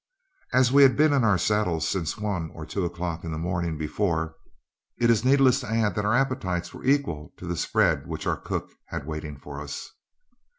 As we had been in our saddles since one or two o'clock the morning before, it is needless to add that our appetites were equal to the spread which our cook had waiting for us.